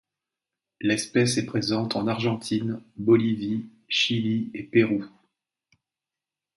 L'espèce est présente en Argentine, Bolivie, Chili et Pérou.